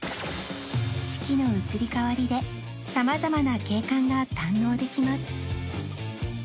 四季の移り変わりで様々な景観が堪能できます